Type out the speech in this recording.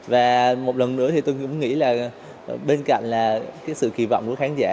và một lần nữa thì tôi cũng nghĩ là bên cạnh là cái sự kỳ vọng của khán giả